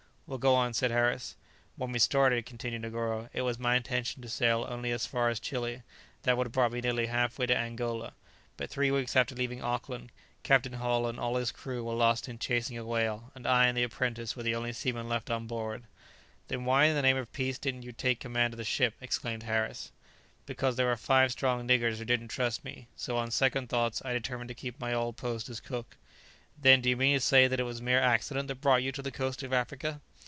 "Well, go on," said Harris. "When we started," continued Negoro, "it was my intention to sail only as far as Chili: that would have brought me nearly half way to Angola; but three weeks after leaving Auckland, Captain Hull and all his crew were lost in chasing a whale, and I and the apprentice were the only seamen left on board." "Then why in the name of peace didn't you take command of the ship?" exclaimed Harris. [Illustration: Both men, starting to their feet, looked anxiously around them.] "Because there were five strong niggers who didn't trust me; so, on second thoughts, I determined to keep my old post as cook." "Then do you mean to say that it was mere accident that brought you to the coast of Africa?"